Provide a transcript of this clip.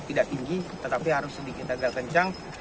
tidak tinggi tetapi harus sedikit agak kencang